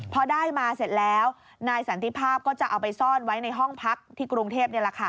พอได้มาเสร็จแล้วนายสันติภาพก็จะเอาไปซ่อนไว้ในห้องพักที่กรุงเทพนี่แหละค่ะ